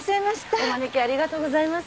お招きありがとうございます。